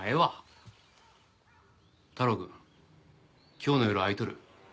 今日の夜空いとる？